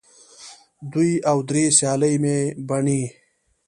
دوې او درې سیالې مې بنې